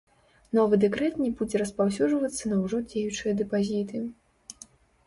Новы дэкрэт не будзе распаўсюджвацца на ўжо дзеючыя дэпазіты.